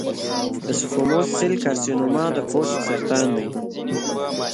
د سکوموس سیل کارسینوما د پوست سرطان دی.